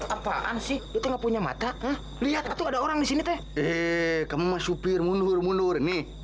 apaan sih itu nggak punya mata lihat ada orang di sini teh eh kamu mas supir mundur mundur nih